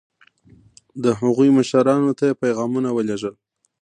د هغوی مشرانو ته یې پیغامونه ولېږل.